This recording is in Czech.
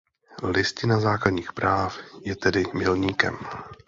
Listina základních práv je tedy milníkem.